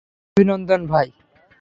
অভিনন্দন, ভাই।